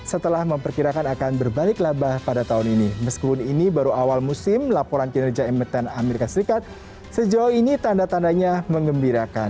setelah memperkirakan akan berbalik laba pada tahun ini meskipun ini baru awal musim laporan kinerja emiten amerika serikat sejauh ini tanda tandanya mengembirakan